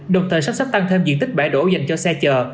đồng thời sắp sắp tăng thêm diện tích bãi đổ dành cho xe chở